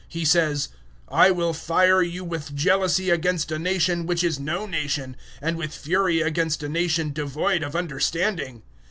He says, "I will fire you with jealousy against a nation which is no nation, and with fury against a nation devoid of understanding."